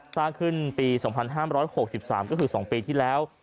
สร้างขึ้นปี๒๕๖๓ก็คือ๒ปีที่แล้ว